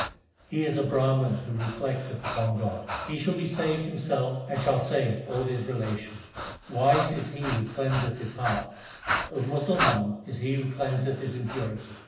HYMNS OF GURU NANAK 339 He is a Brahman who reflecteth upon God : He shall be saved himself, and shall save all his relations. Wise is he who cleanseth his heart : A Musalman is he who cleanseth his impurity.